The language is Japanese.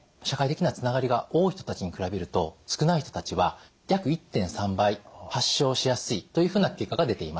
社会的なつながりが多い人たちに比べると少ない人たちは約１．３倍発症しやすいというふうな結果が出ています。